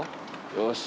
よし！